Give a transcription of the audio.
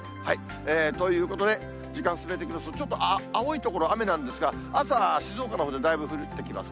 ということで時間進めていきますと、ちょっと青い所雨なんですが、朝、静岡のほうでだいぶ降ってきます。